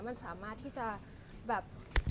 มันสามารถที่จะแบบ